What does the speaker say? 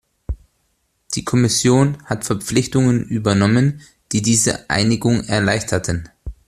Die Kommission hat Verpflichtungen übernommen, die diese Einigung erleichterten.